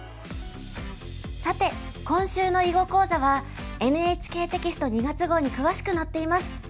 さて今週の囲碁講座はＮＨＫテキスト２月号に詳しく載っています。